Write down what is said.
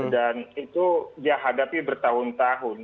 dan itu dihadapi bertahun tahun